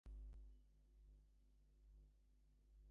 China-Turkmenistan gas-pipeline started from this region.